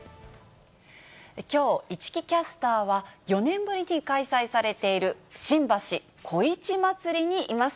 きょう、市來キャスターは、４年ぶりに開催されている新橋こいち祭にいます。